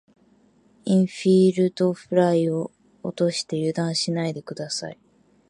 インフィールドフライを落として油断しないで下さい。